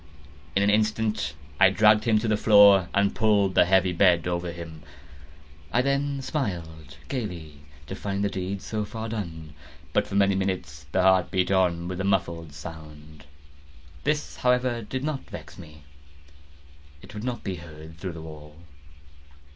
In an instant I dragged him to the floor, and pulled the heavy bed over him. I then smiled gaily, to find the deed so far done. But, for many minutes, the heart beat on with a muffled sound. This, however, did not vex me; it would not be heard through the wall.